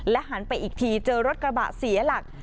หันไปอีกทีเจอรถกระบะเสียหลัก